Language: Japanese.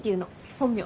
本名。